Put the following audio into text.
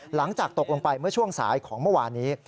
หลังจากตกลงไปเมื่อช่วงสายของเมื่อวานนี้